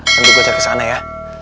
nanti gua cari sana ya